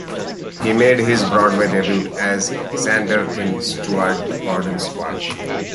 He made his Broadway debut as Xander in Stuart Gordon's Warp!